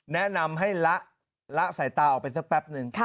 แนะนำให้ละสายตาออกไปสักแป๊บนึง